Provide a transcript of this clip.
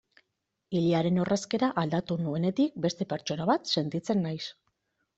Ilearen orrazkera aldatu nuenetik beste pertsona bat sentitzen naiz.